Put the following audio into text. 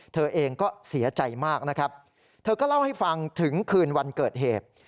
เธอเองก็เสียใจมากนะครับเธอก็เล่าให้ฟังถึงคืนวันเกิดเหตุ